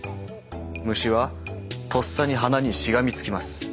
虫はとっさに花にしがみつきます。